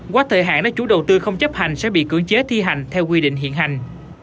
quá thời hạn nếu chủ đầu tư không chấp hành sẽ bị cưỡng chế thi hành theo quy định hiện hành